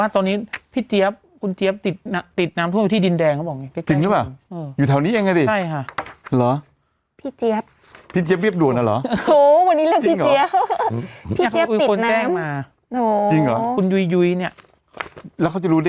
ตอนนี้ดินแดงก็ท่วมแล้วหรอ